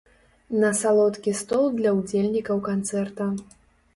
На салодкі стол для ўдзельнікаў канцэрта.